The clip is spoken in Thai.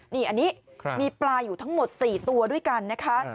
นี่อันนี้มีปลาอยู่ทั้งหมด๔ตัวด้วยกันนะคะ